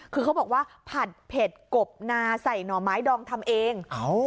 คือเขาบอกว่าผัดเผ็ดกบนาใส่หน่อไม้ดองทำเอง